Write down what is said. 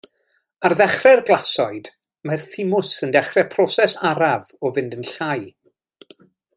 Ar ddechrau glasoed mae'r thymws yn dechrau proses araf o fynd yn llai.